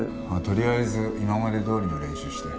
とりあえず今までどおりの練習して。